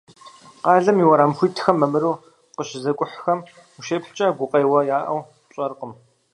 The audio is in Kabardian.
Къалэм и уэрам хуитхэм мамыру къыщызыкӏухьэм ущеплъкӏэ, гукъеуэ яӏэу пщӏэркъым.